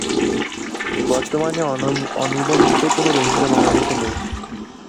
বর্তমানে অনিবন্ধিত কোনো রোহিঙ্গা বাংলাদেশে নেই।